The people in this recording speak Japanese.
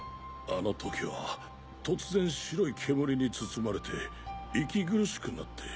あの時は突然白い煙に包まれて息苦しくなって。